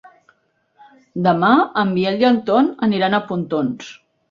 Demà en Biel i en Ton aniran a Pontons.